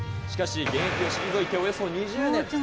しかし、現役を退いておよそ２０年。